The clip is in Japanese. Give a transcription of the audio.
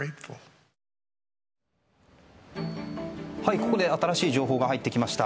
ここで新しい情報が入ってきました。